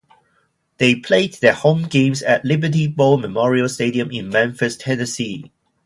They played their home games at Liberty Bowl Memorial Stadium in Memphis, Tennessee.